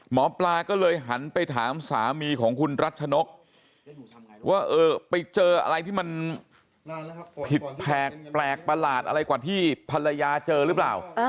หมอปลาก็เลยหันไปถามสามีของคุณรัชนกว่าไปเจออะไรที่มันผิดแผกแปลกประหลาดอะไรกว่าที่ภรรยาเจอหรือเปล่า